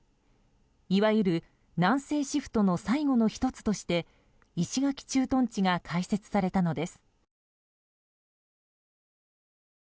いわゆる南西シフトの最後の１つとして石垣駐屯地が開設されたのです。